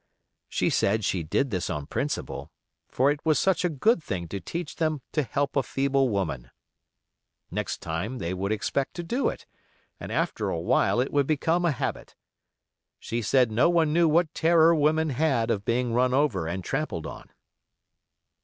She said she did this on principle, for it was such a good thing to teach them to help a feeble woman. Next time they would expect to do it, and after a while it would become a habit. She said no one knew what terror women had of being run over and trampled on.